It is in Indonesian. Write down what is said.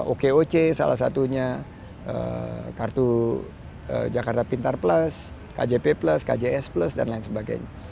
okoc salah satunya kartu jakarta pintar plus kjp plus kjs plus dan lain sebagainya